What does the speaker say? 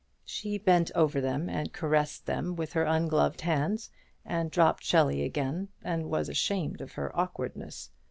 She bent over them and caressed them with her ungloved hands, and dropped Shelley again, and was ashamed of her awkwardness.